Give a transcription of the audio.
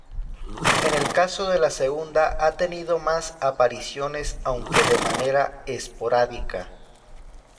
En el caso de la segunda ha tenido más apariciones, aunque de manera esporádica.